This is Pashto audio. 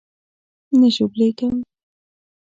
نه ژوبلېږم.